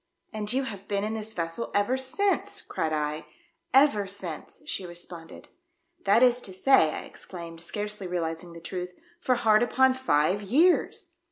"And you have been in this vessel ever since !" cried I. " Ever since!" she responded. " That is to say," I exclaimed, scarcely realising the truth, "for hard upon five years